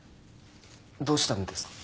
どうしたんですか？